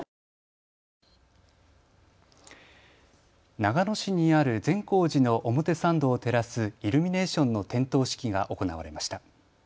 長野市にある善光寺の表参道を照らすイルミネーションの点灯式が行われました。